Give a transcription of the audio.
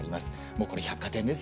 もうこれ百貨店ですよね。